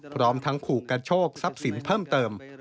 พร้อมทั้งขู่กระโชคทรัพย์สินเพิ่มเติม